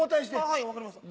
はい分かりました。